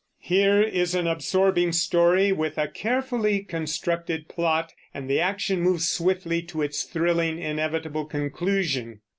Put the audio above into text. Here is an absorbing story, with a carefully constructed plot, and the action moves swiftly to its thrilling, inevitable conclusion.